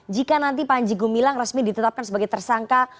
jika nanti panjigo milang resmi ditetapkan sebagai tersangka